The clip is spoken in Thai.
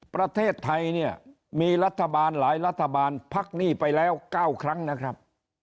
ประเทศไทยเนี่ยมีรัฐบาลหลายรัฐบาลพักหนี้ไปแล้ว๙ครั้งนะครับ